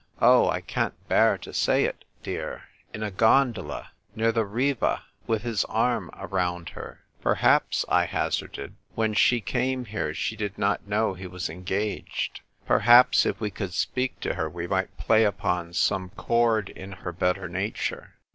Oh ! I can't bear to say it, dear, in a gondola, near the Riva, with his arm around her !"" Perhaps," I hazarded, " when she came here she did not know he was engaged. Per haps, if we could speak to her we might play upon some chord in her better nature."